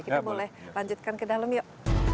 kita boleh lanjutkan ke dalam yuk